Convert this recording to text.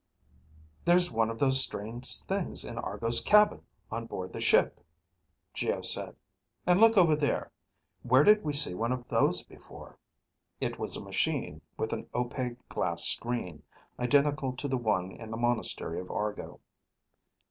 "There's one of those things in Argo's cabin on board the ship," Geo said. "And look over there. Where did we see one of those before?" It was a machine with an opaque glass screen, identical to the one in the monastery of Argo.